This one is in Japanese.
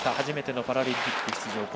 初めてのパラリンピック出場。